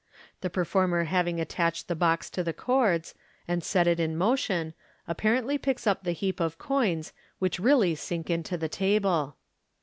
The performei ha, mg attached the box to the cords, and set it in motion, apparently picks up the heap of coins, which really sink into the table.